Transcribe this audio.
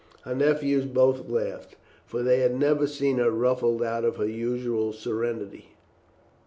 Her nephews both laughed, for they had never seen her ruffled out of her usual serenity.